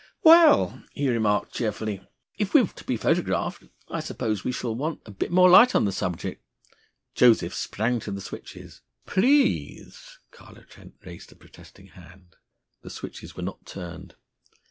"Well," he remarked aloud cheerfully, "if we're to be photographed, I suppose we shall want a bit more light on the subject." Joseph sprang to the switches. "Please!" Carlo Trent raised a protesting hand. The switches were not turned.